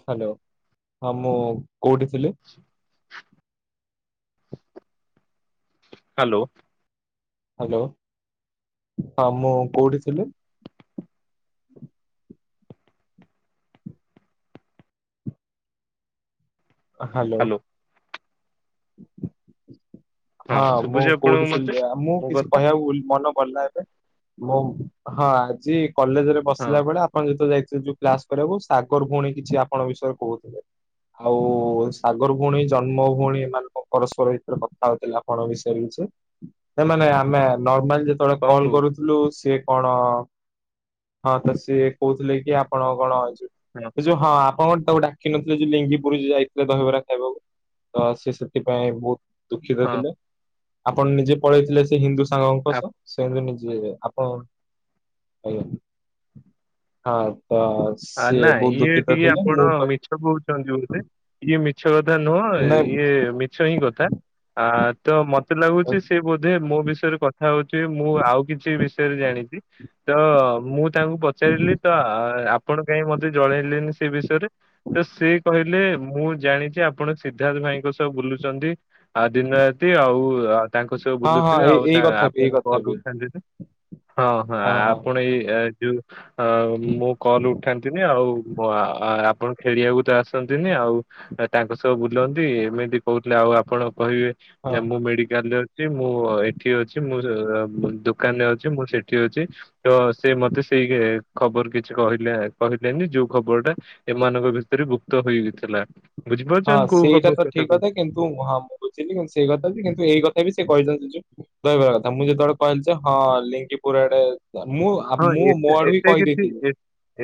Hello, ହଁ ମୁଁ କୋଉଠି ଥିଲେ? ହ୍ୟାଲୋ। ଆଜ୍ଞା ମ୍ୟାମ ହଁ, ମୁଁ କୋଉଠି ଥିଲି? ହ୍ୟାଲୋ। ହଁ, ମୁଁ ଶୁଭୁଛି ଆପଣଙ୍କୁ କୋଉଠି ମତେ ଥିଲି ଆ ମୁଁ ମୋ କିଛି କଥା କହିବାକୁ ଭୁଲ୍ ମନ ପଡ଼ିଲାନି ମୁଁ ହଁ, ଆଜି କଲେଜରେ ହଁ ବସିଲାବେଳେ ଆପ ଆପଣ ଯେତେବେଳେ ଯାଇଥିଲେ ଯୋଉ କ୍ଲାସ କରିବାକୁ ସାଗର ଭଉଣୀ କିଛି ଆପଣଙ୍କ ବିଷୟରେ କହୁଥିଲେ। ଆଉ ସାଗର ଭଉଣୀ ଜନ୍ମ ଭଉଣୀ ଏାନଙ୍କ ପରସ୍ପର ଭିତରେ କଥ କଥା ହେଉଥିଲା ଆପଣଙ୍କ ବିଷୟରେ କିଛି ନାଇଁ ମାନେ, ଆମେ ନର୍ମାଲ ଯେତେବେଳେ କଣ କଲ୍ କରୁ କହୁଥିଲି ଥିଲୁ ସିଏ କଣ ହଁ ତ ସିଏ କହୁଥିଲେ କି, ଆପଣ କଣ ଅଛ ହୁଁ। ସେ ଯୋଉ ହଁ, ଆପଣ ତାକୁ ଡାକି ନଥିଲେ ଯୋଉ ଲିଙ୍ଗିପୁରୁ ଯାଇଥିଲେ ଦହିବରା ଖାଇବାକୁ ତ ସିଏ, ସେଥିପାଇଁ ବହୁତ ଦୁଃଖିତ ହଁ ଥିଲେ ଆପଣ ନିଜେ ପଳେଇଥିଲେ ସେ ହିନ୍ଦୁସ୍, ସାଙ୍ଗଙ୍କ ସହ ସେମିତି ନିଜେ ଆପଣ ଆଜ୍ଞା। ହଁ ତ ଆ ନା ସିଏ ବହୁତ ଇଏ ଦୁଃଖିତ ଟିକେ ଥିଲେ ମୁଁ ଆପଣ ମିଛ ଛ କହୁଛନ୍ତି ବୋଧେ ଇଏ ମିଛ କଥା ନୁହଁ କହି- ନାଇଁ ଇଏ ମି ଛ ହିଁ କଥା ଆ ତ ମତେ ଲାଗୁଛି ସେ ବୋଧେ ମୋ ବିଷୟରେ କଥା ହଉ ଚି ମୁଁ ଆଉ କିଛି ବିଷୟରେ ଜାଣିଛି ତ ମୁଁ ତାଙ୍କୁ ପଚାରିଲି ତ ଆ ଆପ ଆପଣ କାହିଁ ମୋତେ ଜଳେଇଲେନି ସେ ବିଷୟରେ ତ ସିଏ କହି ଲେ ମୁଁ ଜାଣିଛି ଆପଣ ସିଦ୍ଧାର୍ଥ ଭାଇଙ୍କ ସହ ବୁଲୁଛନ୍ତି ଆଉ ଦିନ ରାତି ଆଉ ତାଙ୍କ ସହ ହଁ ହଁ ବୁଲୁଥିବେ ଏଇ ଆଉ ଏଇ ତା କଥା ବି ଆପଣ ଏଇ କଥା କଣ ବି [unintelligible] ଏବେ? ହଁ ହଁ ଆପଣ ଏଇ ଯୋଉ ଅ ମୋ କଲ ଉଠ ଉଠାନ୍ତିନ ଆଉ। ଆଉ [unintelligible] ଆ-ଆପଣ ଖେଳିବାକୁ ତ ଆସନ୍ତିନି ଆଉ ତାଙ୍କ ସହ ବୁଲନ୍ତି ଏମିତି କହୁଥିଲେ ଆଉ ଆପଣ କହିବେ ହଁ ମୁଁ ମେଡିକାଲରେ ମୁଁ ଏଠି ଅଛି ମୁଁ ଦୋକାନରେ ଅଛି ମୁଁ ସେଠି ଅଛି। ତ ସେ ମତେ ସେଇ ଖବର କିଛି କହିଲେ କହିଲେନି ଯୋଉ ଖବର ଟା ଏମାନଙ୍କ ଭିତରେ ଗୁପ୍ତ ହୋଇଯାଇ ଥିଲା। ବୁଝପାରୁଛ କୋଉ ହବର କଥା କହୁ ତୁ ହଁ ମୁଁ ବୁଝିଲି କିନ୍ତୁ ସେଇ କଥା ବି କିନ୍ତୁ ଏଇ କଥା ବି ସେ କହିଛନ୍ତି ଯୋଉ ଦହିବାର କଥା ମୁଁ ଯେତେବେଳେ କହିଲି ଯେ ହଁ ଲିଙ୍କିପୁର ଆଡେ ମୁଁ ମୁଁ ମୋ ଆଡୁ ବି କହି ଦେଇଥିଲି।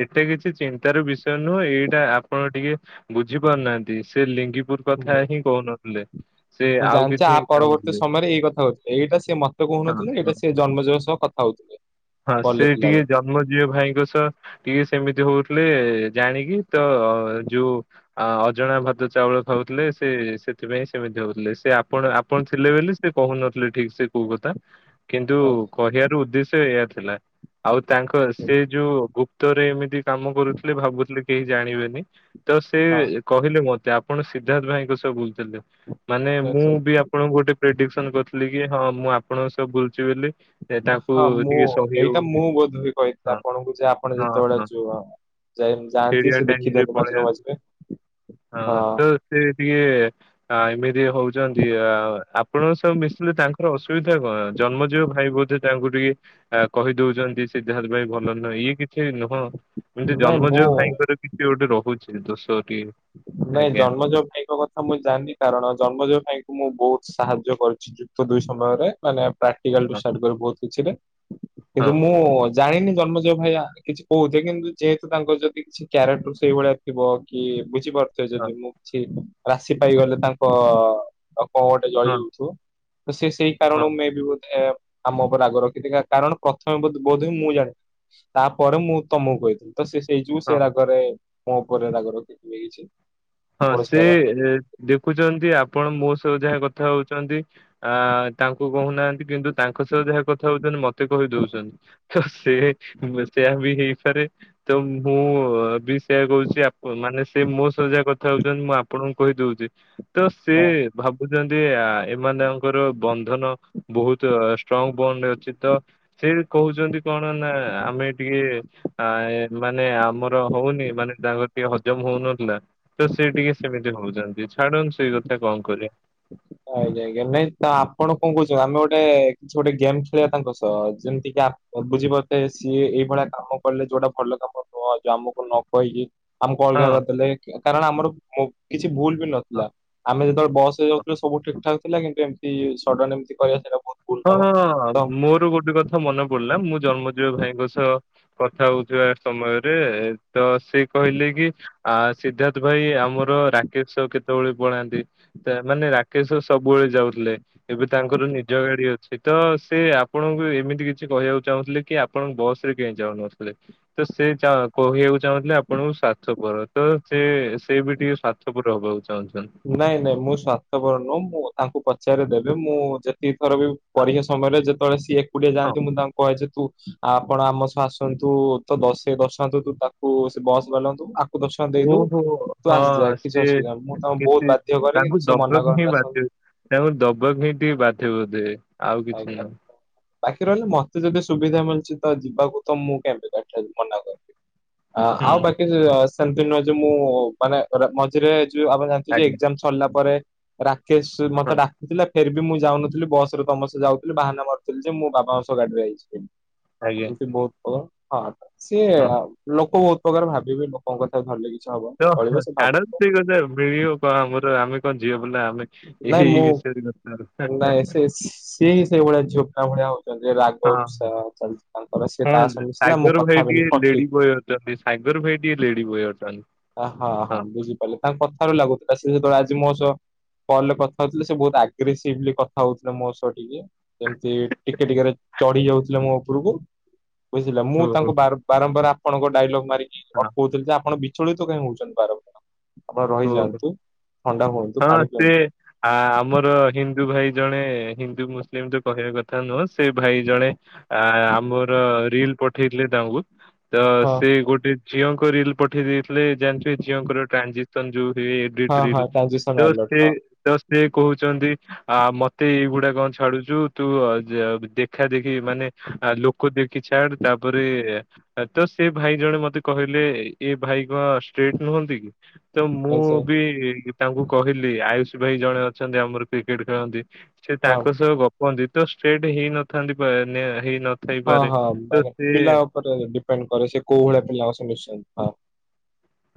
ଏଟା କିଛି ଚିନ୍ତାର ବିଷୟ ନୁହଁ ଏଇଟା ଆପଣ ଟିକେ ବୁଝି ପାରୁନାହାନ୍ତି ସେ ଲିଙ୍ଗିପୁର କଥା ମୁଁ ହିଁ କହୁ ନଥିଲେ। ମୁଁ ଜାଣିଛି ଆ ପରବର୍ତ୍ତୀ ସମୟରେ ଏଇ କଥାଉଛି ଏଇଟା ସେଏ ମତେ ହଁ କହୁନଥିଲେ ନା ହଁ ଏଇଟା ସେ ଜନ୍ମଜୟ ସହ କଥା ହଉଥିଲେ। ହଁ କଲ୍ ସେ ରେ ଟିକେ ଥିଲାବେଳେ ଯ ମୋ ଝିଅ ଭାଇଙ୍କ ସହ ଟିକେ ସେମିତି ହଉଥିଲେ ଜାଣିକି ତ ଯୋଉ ଆ ଅଜଣା ଭାତ ଚାଉଳ ଖାଉଥିଲେ ସେ ସେଥିପାଇଁ ସେମିତି ହଉଥିଲେ ସେ ଆପଣ ଆପଣ ଥିଲେ ବୋଲି ସେ କହୁନଥିଲେ ଠିକ ସେ କୋଉ କଥା କିନ୍ତୁ କହିବାର ଉଦ୍ଦେଶ୍ୟ ଏହା ଥିଲା। ଆଉ ତାଙ୍କ ଆଚ୍ଛା। ସେ ଯୋଉ ଗୁପ୍ତରେ ଏମିତି କାମ କରୁଥିଲେ ଭାବୁଥିଲେ କେହି ଜାଣିବେନି। ତ ସେ ହଁ କହିଲେ ମତେ ଆପଣ ସିଦ୍ଧାର୍ଥ ଭାଇଙ୍କ ସହ ବୁଲଥିଲେ ମାନେ ମୁଁ ଆଚ୍ଛା। ବି ଆ ଆପଣଙ୍କୁ ଗୋଟେ ପ୍ରେଡିକସନ କରିଥିଲି କି ହଁ ମୁଁ ଆପଣଙ୍କ ସହ ବୁଲଛି ବୋଲି ତାଙ୍କୁ ହଁ ମୁଁ ଟିକେ ସ ଏଇଟା ମୁଁ ବୋଧ ବି କହିଥିଲି ଆପଣଙ୍କୁ ଯେ ଆପଣ ହଁ ଯେତେବେଳେ ହଁ ଯୁ ଯାଇମ ଯାଆନ୍ତି ଖେଳିବା ସେ ଟାଇମ ଦେଖି ରେ ଦିଅନ୍ତୁ ପଳେଇ ମଝିରେ ଆସୁଛି। ମଝିରେ। ହଁ ତ ସେ ଟିକେ ଆ ଏମିତି ହଉଛନ୍ତି ଆ ଆପଣ ସବୁ ମିଶିଲେ ତାଙ୍କର ଅସୁବିଧା କଣ ଜନ୍ମଜିୟ ଭାଇ ବୋଧେ ତାଙ୍କୁ ଟିକେ ଆ କହି ଦଉଛନ୍ତି ସେ ଯାହା ପାଇଁ ଭଲ ନୁହେଁ ଇଏ କିଛି ନୁହଁ ଏମିତି ନାଇଁ ମୁଁ ଜନ୍ମଜୟ ଭାଇଙ୍କର କିଛି ଗୋଟେ ରହୁଛି ଦୋଷ ଟିକେ ନାଇଁ ଆଜ୍ଞା ଜନ୍ମଜୟ ଭାଇଙ୍କ କଥ ହଁ ମୁଁ ଜାଣିନି କାରଣ ଜନ୍ମଜୟ ଭାଇ କୁ ମୁଁ ବହୁତ ସାହାଯ୍ୟ କରିଛି ଯୁକ୍ତ ଦୁଇ ସମୟରେ ମାନେ ପାଟିକାଲ ହଁ ଠୁସାଡିଦବୁ ବହୁତ କିଛିରେ ହଁ କିନ୍ତୁ ମୁଁ ଜାଣିନି ଜନ୍ମଜୟ ଭାଇଆ କିଛି କହୁଛେ କିନ୍ତୁ ଯେହେତୁ ତାଙ୍କର ଯଦି କିଛି କ୍ୟାରେକ୍ଟର୍ ସେଇଭଳିଆ ଥିବ କି ଝି ପାରୁଥିବେ ଯଦି ହଁ ମୁଁ କିଛି ରାଶି ପାଇଗଲେ ତାଙ୍କ କଣ ଗୋଟେ ଜଳି ହଁ ଯାଉଥିବ। ତ ସେ ସେଇ ହଁ କାରଣରୁ ମେ ବି ବୋଧେ ଆମ ଉପରେ ରାଗ ରଖିଥିବେ କାରଣ ପ୍ରଥମେ ବୋଧ ବୋଧେ ମୁଁ ଜାଣେ ତାପରେ ମୁଁ ତମକୁ କହିଥିଲି। ସେ ସେଇ ଯୋଗୁଁ ହଁ। ସେ ରାଗରେ ମୋ ଉପରେ ରାଗ ରଖିଥିବ କିଛି ହଁ ପଡୋଶୀ ସେ ଘର ଏ ଦେଖୁଛନ୍ତି ଆପଣ ମୋ ସହ ଯାହା କଥା ହଉଛନ୍ତି। ଆ ତାଙ୍କୁ କହୁ ନାହାନ୍ତି କିନ୍ତୁ ତାଙ୍କ ସହ ଯାହା କଥା ହଉଛନ୍ତି ମତେ କହି ଦଉଛନ୍ତି। ତ ସେ ବି ସେୟା ବି ହେଇପାରେ ତ ମୁଁ ବି ସେୟା କହୁଛି ଆ ମାନେ ସେ ମୋ ସହିତ ଯାହା କଥା ହଉଛନ୍ତି ମୁଁ ଆପଣଙ୍କୁ କହି ଦଉଛି। ତ ସି ହଁ। ଭାବୁଛନ୍ତି ଆ ଏମାନେ ର ବନ୍ଧନ ବହୁତ ଷ୍ଟ୍ରଙ୍ଗ ବଣ୍ଡ ଅଛି ତ ସେ କହୁଛନ୍ତି କଣ ନା ଆମେ ଟିକେ ଆ ମାନେ ଆମର ହଉନି ମାନେ ତାଙ୍କର ଟିକେ ହଜମ ହଉନଥିଲା। ତ ସେ ଟିକେ ସେମିତି ହଉଛନ୍ତି ଛାଡ଼ନ୍ତୁ ସେଇ କଥା କଣ କରିବେ? ଆଜ୍ଞା ଆଜ୍ଞା ନାଇଁ ତ ଆପଣ କଣ କହୁଛନ୍ତି ଆମେ ଗୋଟେ କିଛି ଗୋଟେ ଗେମ୍ ଖେଳିବା ତାଙ୍କ ସହ ଯେମିତି କି ଆ ବୁଝିପାରୁଥିବେ ସିଏ ଏଇ ଭଳିଆ କାମ କଲେ ଯୋଉଟା ଭଲ କାମ ନୁହ ଯୋଉ ଆମକୁ ନ କହିକି ଆମକୁ ଅଲଗା ହଁ। କରିଦେଲେ କାରଣ ଆମର ମୋ କିଛି ଭୁଲ ବି ହଁ ନଥିଲା ଆମେ ଯେତେବେଳେ ବସ ଯାଉ ସବୁ ଠିକ୍ ଠାକ ଥିଲା କିନ୍ତୁ ଏମିତି ସଡ଼ନ ଏମତି କହିବା ସେଇଟା ବହୁତ ଭୁଲ ହଁ କାମ ହଁ ହଁ ତ ମୋର ଗୋଟ କ ମନେ ପଡିଲା ମୁଁ ଜନ୍ମଜୟ ଭାଇଙ୍କ ସହ କଥା ହଉଥିବା ସମୟରେ ତ ସେ କହିଲେ କି ସିଦ୍ଧାର୍ଥ ଭାଇ ଆମର ରା କେଶ କେତେବେଳେ ପଳାନ୍ତି। ମାନେ ରାକେଶ ସବୁବେଳେ ଯାଉଥିଲେ। ଏବେ ତାଙ୍କର ନିଜ ଗା ଡି ଅଛି ତ ସେ ଆପଣଙ୍କୁ ଏମିତି କିଛି କହିବାକୁ ଚାହୁଁଥିଲେ କି ଆପଣ ବସ ରେ କେହି ଯାଉନଥିଲେ। ଦି ତ ସେ କହିବାକୁ ଚାହୁଁଥିଲେ ଆପଣଙ୍କୁ ସାତଶହ ପର ତ ସେ ସେ ବି ଟିକେ ସାତ ସବୁଠ ହବାକୁ ଚାହୁଁଛନ୍ତି। ନାଇଁ ନାଇଁ ମୁଁ ସ୍ୱାର୍ଥପର ନୁହେଁ ମୁଁ ତାଙ୍କୁ ପଚାରି ଦେବେ ମୁଁ ଯେ ସେଇ ଥର ବି ପରୀକ୍ଷା ସମୟରେ ଯେତେବେଳେ ସିଏ ଏକୁଡିଆ ହଁ, ଯାଆନ୍ତି ମୁଁ ତାଙ୍କୁ କହେ ଯେ ତୁ ଆ ଆପଣ ଆମ ସବୁ ଆସନ୍ତୁ ତ ଦଶେଇ ଦର୍ଶାନ୍ତୁ ତୁ ତାକୁ ସେ ବସ୍ ବେଲନ୍ତୁ ଆ ଓହୋ ହଁ ସିଏ ଅସୁବିଧା ନାହିଁ ମୁଁ ତାଙ୍କୁ ବହୁତ କେତେ ବାଧ୍ୟ କରେ ତାଙ୍କୁ କିନ୍ତୁ ସେ ମନା ଦଗକ ହିଁ କରନ୍ତି ଆସନ୍ତୁ ବାଧ ତାଙ୍କୁ ଦବାକୁ ହିଁ ଟିକେ ବାଧିବ ବୋଧେ ଆଉ କିଛି ଆଜ୍ଞା। ନୁହଁ। ବାକି ରହିଲେ ମତେ ଯଦି ସୁବିଧା ମିଳୁଛି ତ ଯିବାକୁ ତ ମୁଁ କେମି କାରେ ମନା କରିବି। [inaudible] ଆଉ ବାକି ସେମିତି ନୁହ ଯୋଉ ମୁଁ ମାନେ ମଝିରେ ଯୋଉ ଆପଣ ଜାଣୁଥିବେ ଆଜ୍ଞା, ଏକ୍ଜାମ ସରିଲା ପରେ ରାକେଶ ହଁ, ମତେ ଡାକୁଥିଲେ। ଫେର ବି ମୁଁ ଯାଉନଥିଲି ବସ ରରେ ତମ ସହେ ଯାଉଥିଲି ବାହାନା ମାରୁଥିଲ ଯେ ମୁଁ ବାବାଙ୍କ ସହ ଗାଡିରେ ଆଇଚି ବୋଲି। ଆଜ୍ଞା, ବହୁତ ପ୍ରକାର ହଁ ସିଏ ହଁ ଲୋକ ବହୁତ ପ୍ରକାର ଭାବିବେ କଣ କଥା ଧରିଲେ କିଛି ହବ ଚଳିବ ସେଇଟା ହବ। ଠିକ ଅଛି ଆଉ। ମିଳିବ କଣ ଆମର ଆମେ କଣ ଝିଅପିଲା ଆମେ ନାଇଁ ଏଇ ମୁଁ ବିଷୟରେ ନାଇଁ ସେ ସିଏ ସେଇଭଳିଆ ଝିଅପିଲାଙ୍କ ଭଳିଆ ହଉଛି। ହଁ, ରାଗରୁସା ଚାଲି ତାଙ୍କର ସି ତା ହଁ ସହ ମିଶିଲା ମୁଁ କଥା ହେବନି କଟି। ଯଦି ସାଗର ଭାଇ ଟିକେ ଲେଡି ବହି ଅଛନ୍ତି। ହଁ ହଁ ବୁଝିପାରିଲେ ତାଙ୍କ କଥାରୁ ଲାଗୁଥିଲା ସେ ଯେତେବେଳେ ଆଜି ମୋ ସହ କଲରେ କଥା ହଉଥିଲେ ସେ ବହୁତ ଆଗ୍ରେସିଭ କଥା ହଉଥିଲେ ମୋ ସହ ଟିକେ। ଏମତି ଟିକେ ଟିକେ ଚଢି ଯାଉଥିଲେ ମୋ ଉପରକୁ। ବୁଝିଲା ମୁଁ ଓହୋ! ତାଙ୍କୁ ବାରମ୍ବାର ଆପଣଙ୍କ ଡାଇଲଗ୍ ମାରିକି ଅଟ ହଁ, କହୁଥିଲି ଯେ ଆପଣ ଚଳ ତ କାହିଁ ହଉଛନ୍ତି ବାରବ ଓହୋ ଥଣ୍ଡା ହୁଅନ୍ତୁ ହଁ ପାଣି ସେ ପିଅନ୍ତୁ ଆ ଆମର ହିନ୍ଦ ହିନ୍ଦୁ ଭାଇ ଜଣେ ହିନ୍ଦୁ ମୁସଲିମ ଯୋ କହିବା କଥା ନୁହଁ ସେ ଭାଇ ଜଣେ ଆ ଆମର ରିଲ ପଠେଇଥିଲେ ତାଙ୍କୁ। ତ ହଁ ସେ ଗୋଟେ ଝିଅଙ୍କ ରିଲ ପଠେଇ ଦେଇେଇଥିଲେ ଜାଣିଥୁ ଝିଅଙ୍କର ଟ୍ରାଞଜି ସଞ୍ଜୁ ହେ ହଁ ଏଡିଟ ହଁ ଟ୍ରାଞ୍ଜିସନ ତ ସେ ଆଲର୍ଟ ତ ସେ କହୁଛନ୍ତି। ଆ ମତେ ଏଇଗୁଡା କଣ ଛାଡୁଛୁ ତୁ ଦେଖା ଦେଖି ମାନେ ଲୋକ ଦେଖି କି ଛାଡ ତାପରେ ତ ସେ ଭାଇ ଜଣେ ମତେ କହିଲେ ଏ ଭାଇ କଣ ଷ୍ଟ୍ରେଟ ନୁହନ୍ତି କି। ତ ମୁଁ ହଁ ସେ ବି ତାଙ୍କୁ କହିଲି ଆୟୁଷ ଭାଇ ଜଣେ ଅଛନ୍ତି ଆମର କ୍ରିକେଟ ଖେଳନ୍ତି। ସେ ହଁ। ତାଙ୍କ ସହ ଗପନ୍ତି ତ ଷ୍ଟ୍ରେଟ୍ ହେଇନଥାନ୍ତି। ହଁ ହେଇନଥାଇପାରେ। ହଁ ତ ମାନେ ସେ ପିଲା ଉପରେ ଡିପେଣ୍ଡ କରେ ସେ କୋଉ ଭଳିଆ ପିଲା ଅସଛନ୍ତି।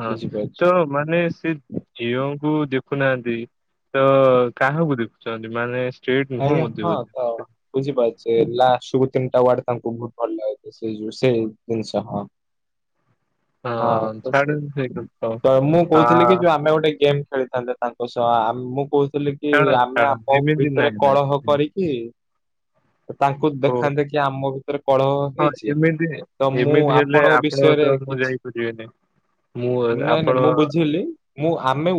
ହଁ ତ ମାନେ ସେ ଝିଅଙ୍କୁ ଦେଖୁନାହାନ୍ତି। ତ କାହାକୁ ଦେଖୁଛନ୍ତି ମାନେ ଷ୍ଟ୍ରେଟ ନୁହଁ ମ ବୋଧ ବୁଝିପାରୁଛେ ଲା ଶୁବୁ ତିନିଟା ୱାର୍ଡ ତାଙ୍କୁ ବହୁତ ଭଲ ଲାଗୁ ସେ ସେ ଜିନିଷ ହଁ। [unintelligible] ହଁ ତ ସେ ଛାଡ଼ନ୍ତୁ ସେଇ କଥା ହଁ ତ ମୁଁ କହୁଥିଲି କି ଯୋଉ ଆମେ ଗୋଟେ ଗେମ୍ ଖେଳିଥାନ୍ତେ। ତାଙ୍କ ସହ ମୁଁ କହୁଥିଲି କି ଛାଡ଼ନ୍ତୁ ଆମେ ଆ ଛାଡ଼ନ୍ତୁ ମୋ ଏମିତି ଭିତରେ କଳହ କରିକି। ତାଙ୍କୁ ହଁ ହ ଦେଖାନ୍ତେ କି ଆମ ଭିତରେ କଳହ ହେଇଛି ହଁ ଏମିତି ତ ମୁଁ ଏମିତି ହେଲେ ଆପଣଙ୍କ ବିଷୟରେ ତ ମୁଁ କିଛି ଯାଇକ ବୁଝିଲେ। ନାଇଁ ନାଇଁ ମୁଁ ବୁଝି ମୁଁ ଆମେ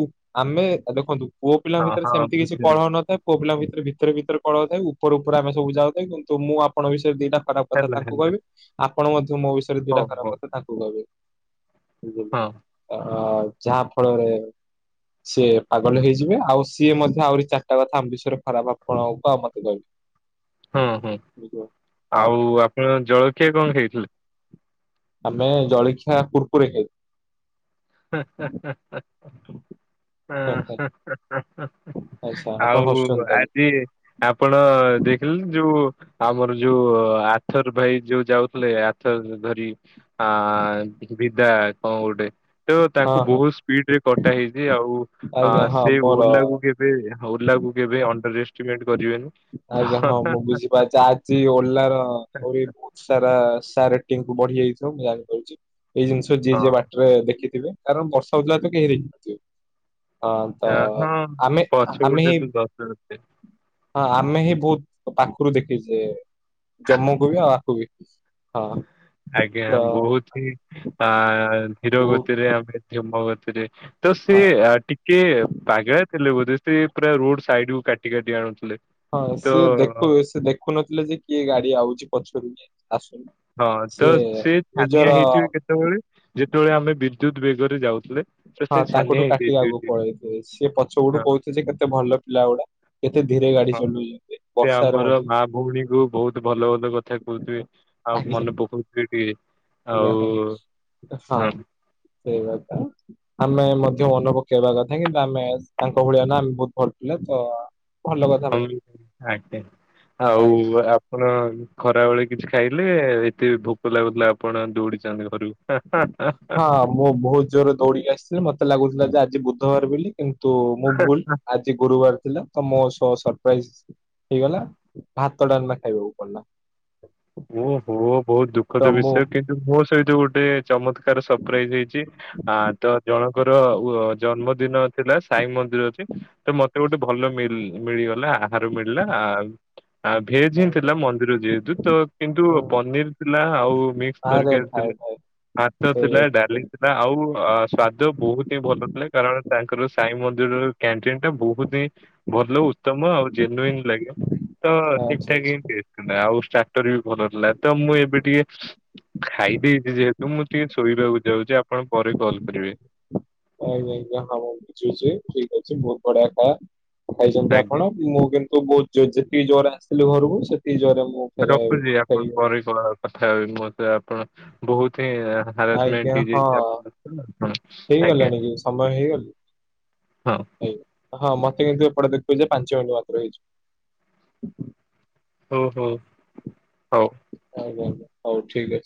ଆମେ ଦେଖନ୍ତୁ। ପୁଅ ପିଲା ହଁ ଭିତରେ ହଁ ସେମତି କିଛି ବୁଝିଗଲି ପଢାଉନଥାଏ। ପୋ ପିଲା ଭିତରେ ଭିତରେ ଭିତରେ ପଳାଉ ଥାଏ ଉପରେ ଉପରେ ଆମେ ସବୁ ଯାଉଥାଏ କିନ୍ତୁ ମୁଁ ଆପଙ୍କ ବିଷୟରେ ଦିଟା ଖରାପ୍ କଥା ହେଲା ତାଙ୍କୁ ହେଲା କହିବି ଆପଣ ମଧ୍ୟ ମୋ ବିଷୟରେ ଦିଟା ହଉ ହଉ ଖରାପ୍ କଥା ତାଙ୍କୁ କହିବେ। ବୁଝିଲି ହଁ ଅ ଯାହା ଫଳରେ ସିଏ ପାଗଲ ହେଇଯିବେ ଆଉ ସିଏ ମଧ୍ୟ ଆହୁରି ଚାରିଟା କଥା ଆମ ବିଶୟରେ ଖରାପ୍ ଆ [unintelligible] ମତେ କହି ହଁ ହୁଁ ହଁ ଆଉ ଆପଣ ଜଳଖିଆ କଣ ଖାଇଥିଲେ? ଆମେ ଜଳିଖିଆ କୁର କୁରି ଖାଇଥିଲୁ। ହେଁ ହେଁ ହେଁ ହେଁ ହେଁ ଆଚ୍ଛା ଆପଣ ଆଉ ହସୁଛନ୍ତି ତାହେଲେ। ଆଜି ଆପଣ ଦେଖିଲେ ଯୋଉ ଆମର ଯୋଉ ଆଥର ଭାଇ ଯୋଉ ଯାଉଥିଲେ ଆଥର ଧରି ଆଁ ବିଦା କଣ ଗୋଟେ। ତ ହଁ ତାଙ୍କୁ ହଁ ବହୁତ୍ ସ୍ପିଡ ରେ କଟା ହେଇଛି ଆଉ ଆ ଆଜ୍ଞା ହଁ ସେ ମୋର ଓଲାକୁ କିଏ? ପେ ହଁ ଓଲା କୁ କେବେ ଅଣ୍ଡର ଏଷ୍ଟିମେଟ୍ କରିବେନି। ତ ଆଜ୍ଞା ହଁ ମୁଁ ବୁଝିପାରୁଛି ଆଜି ଓଲାର ଆହୁରି ସାରା ସାର ଟିହୁ କୁ ବଢିଯାଇଥିବ ମୁଁ ଜାଣିପାରୁଛି ଏଇ ଜିନିଷ ଯିଏ ହଁ ଯିଏ ବାଟରେ ଦେଖିଥିବେ କାରଣ ବର୍ଷା ହଉଥିଲା ତ କେହି ଦେଖି ନଥିବେ। ହଁ ତ ଆମେ ପଛ ଆମେ ଗୋଟେ ହଁ ତୁ ଦଶ ଅଛି। ଆମ ଆମେ ହିଁ ବହୁତ୍ ପାଖୁରୁ ଦେଖିଛେ ଜମକୁ ବି ଆଉ ଆକୁ ବି ହଁ। ଆଜ୍ଞା ତ ବହୁତ୍ ହିଁ ଆ ଧୀର ବହୁତ ଗତିରେ ଆମେ ଧୁମ ଗତିରେ ତ ସେ ହଁ ଟିକେ ପାଗେଳା ଥିଲେ ବୋଧେ ସେ ପୁରା ରୋଡ ସାଇଟ୍ କୁ କାଟି କାଟି ଆଣୁଥିଲେ। ହଁ ତ ସିଏ ଦେଖୁ ସେ ଦେଖୁନଥିଲେ ଯେ କିଏ ଗାଡି ଆଉଛି ପଛରୁ। ଆସୁନ ହଁ ସେ ନିଜର ଯେତବେଳେ ଯେତେବେଳେ ଆମେ ବି ହଁ ତାଙ୍କଠୁ କାଟି ହେଇଯାଇଥିବେ ଆଗକୁ ଟିକେ। ପଳେଇଥିଲୁ ସେ ପଛ ପଟୁ ହଁ କହୁଥିବେ ଯେ କେତେ ଭଲ ପିଲା ଗୁଡା କେତେ ଧୀରେ ଗାଡି ହଁ ଚଲଉଛନ୍ତି। ସେ ବର୍ଷାରେ ଆମର ମଧ୍ୟ ମା ଭଉଣୀ କୁ ବହୁତ୍ ଭଲ ଭଲ କଥା କହୁଥିବେ? ଆଉ ଆଜ୍ଞା ମନେ ପକଉ ଥିବେ ଟିକେ। ଆଉ ଆଜ୍ଞା ହଁ ହଁ ସେଇ କଥା। ଆମେ ମଧ୍ୟ ମନେ ପକେଇବା କଥା କିନ୍ତୁ ଆମେ ତାଙ୍କ ଭଳିଆ ନା ଆମେ ବହୁତ୍ ଭଲ ପିଲା ତ ଭଲ କଥା [unintelligible] ଆଉ ଆଜ୍ଞା ଆ ଆପଣ ଖରାବେଳେ କିଛି ଖାଇଲେ ଏତେ ଭୋକ ଲାଗୁଥିଲା ଆପଣ ଦୌଡିଛନ୍ତି ଘରୁକୁ। ହଁ ମୁଁ ବହୁତ୍ ଜୋରେ ଦୌଡିକି ଆସିଛି। ମତେ ଲାଗୁଥିଲା ଯେ ଆଜି ବୁଧବାର ବୋଲି କିନ୍ତୁ ମୁଁ ଭୁଲ୍ ଆଜ ଜି ଗୁରୁବାର ଥିଲା ତ ମୋ ସହ ସରପ୍ରାଇଜ୍ ହେଇଗଲା ଭାତ ଡାଲ୍ମା ଖାଇବାକୁ ପଡିଲା। ଓ ହୋ ବହୁତ୍ ଦୁଃଖଦ ତ ମୁଁ ବିଷୟ କିନ୍ତୁ ମୋ ସହିତ ଗୋଟେ ଚମତ୍କାର ସରପ୍ରାଇଜ୍ ହେଇଛି ଆ ତ ଜଣଙ୍କର ୱ ଜନ୍ମଦିନ ଥିଲା ସାଇ ମନ୍ଦିର ରେ ତ ମତେ ଗୋଟେ ଭଲ ମିଲ୍ ମିଳିଗଲା ଆହାର ମିଳିଲା ଆଉ ଆ ଭେଜ୍ ହିଁ ହଁ, ଥିଲା ମନ୍ଦିର ଯେହେତୁ ତ ତୁ ହଁ, ପନିର୍ ଥିଲା ଆଉ ମିକ୍ସ୍ ଆରେ ତରକାର ଭାଇ ଥିଲା ଭାଇ ଭାତ ସେ ଥିଲା ଡା ଡାଲି ଥିଲା ଆଉ ଆ ସ୍ଵାଦ ବହୁତ୍ ହିଁ ଭଲ ଥିଲା କାରଣ ତାଙ୍କର ସାଇ ମନ୍ଦିର କ୍ୟାଣ୍ଟିନ୍ ଟା ବହୁତ୍ ହିଁ ଭଲ ଉତ୍ତମ ଆଉ ଜେନୁଇନ୍ ଲାଗିବ। ତ ଠିକ୍ ଆଚ୍ଛା ଠାକ୍ ହିଁ ଆଚ୍ଛା ଟେଷ୍ଟ୍ ଟା ଆଉ ଷ୍ଟାଟର ବି ଭଲ ଥିଲା ତ ମୁଁ ଏବେ ଟିକେ ଖାଇ ଦେଇଛି ଯେହେତୁ ମୁଁ ଟିକେ ଶୋଇବାକୁ ଯାଉଛି ଆପଣ ପରେ କଲ୍ କରିବେ ଆଜ୍ଞା ଆଜ୍ଞା ହଁ ମୁଁ ବୁଝୁଛି ଠିକ୍ ଅଛି ବହୁତ୍ ବଢିଆ ଟା କହିଛନ୍ତି ଆଜ୍ଞା। ଆପଣ ମୁଁ କିନ୍ ତ ବହୁତ୍ ଜୋ ଯେତିକି ଜୋରରେ ଆସିଲି ଘରକୁ ସେତିକି ଜୋରରେ ମୁଁ ଫେରେ ରଖୁଛି ଆପଣ ଫେରିଗଲି ପରେ କ କଥା ହେବେ ମତେ ଆପଣ ବହୁତ୍ ହିଁ ହା ଆଜ୍ଞା ହାରସମେଣ୍ଟ ହଁ ହେଇଯାଇଛି [unintelligible] ଆଜ୍ଞା। ହେଇଗଲାଣି କି ସମୟ ହେଇଗଲି ହଁ। ହେଇ- ହଁ ମତେ କିନ୍ତୁ ଏପଟେ ଦେଖି ବେ ଯେ ପାଞ୍ଚ ମିଣ୍ଟି ମାତ୍ର ହେଇଛି। ଓହୋ ହଉ। ହଁ ଆଜ୍ଞା ହଉ ଠିକ୍ ଅଛି।